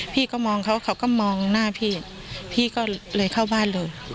พี่ก็มองเขาเขาก็มองหน้าพี่พี่ก็เลยเข้าบ้านเลย